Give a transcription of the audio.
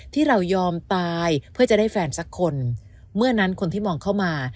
ที่เรายอมตายเพื่อจะได้แฟนสักคนเมื่อนั้นคนที่มองเข้ามา